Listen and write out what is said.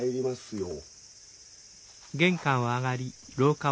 よう！